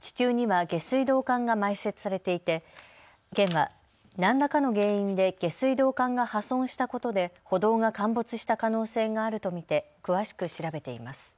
地中には下水道管が埋設されていて県は何らかの原因で下水道管が破損したことで歩道が陥没した可能性があると見て詳しく調べています。